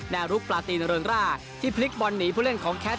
ลุกปลาตีนเริงร่าที่พลิกบอลหนีผู้เล่นของแคท